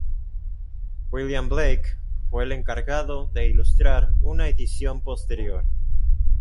William Blake fue el encargado de ilustrar una edición posterior.